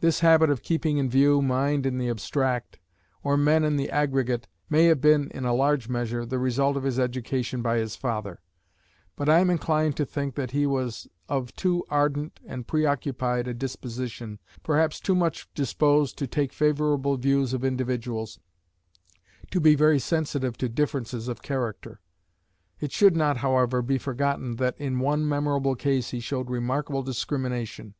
This habit of keeping in view mind in the abstract, or men in the aggregate, may have been in a large measure a result of his education by his father; but I am inclined to think that he was of too ardent and pre occupied a disposition, perhaps too much disposed to take favorable views of individuals, to be very sensitive to differences of character. It should not, however, be forgotten that in one memorable case he showed remarkable discrimination.